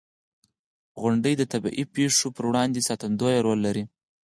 • غونډۍ د طبعي پېښو پر وړاندې ساتندوی رول لري.